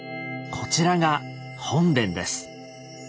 こちらが本殿です。